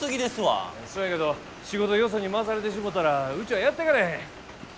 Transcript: そやけど仕事よそに回されてしもたらうちはやってかれへん。